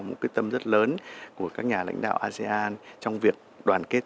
một quyết tâm rất lớn của các nhà lãnh đạo asean trong việc đoàn kết